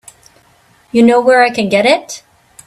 You know where I can get it?